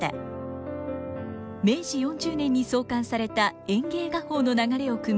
明治４０年に創刊された「演藝畫報」の流れをくみ